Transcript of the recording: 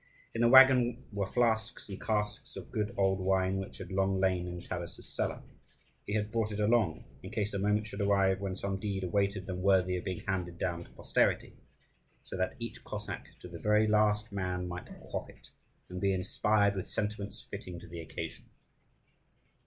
In the waggon were flasks and casks of good old wine, which had long lain in Taras's cellar. He had brought it along, in case a moment should arrive when some deed awaited them worthy of being handed down to posterity, so that each Cossack, to the very last man, might quaff it, and be inspired with sentiments fitting to the occasion.